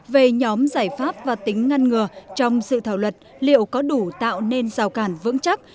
về nhóm giải pháp và tính ngăn ngừa trong dự thảo luật liệu có đủ tạo nên rào cản vững chắc